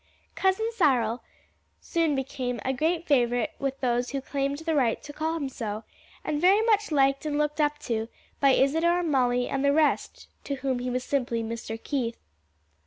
"Cousin Cyril" soon became a great favorite with those who claimed the right to call him so, and very much liked and looked up to by Isadore, Molly, and the rest to whom he was simply Mr. Keith.